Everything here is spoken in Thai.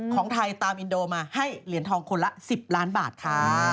ของไทยตามอินโดมาให้เหรียญทองคนละ๑๐ล้านบาทค่ะ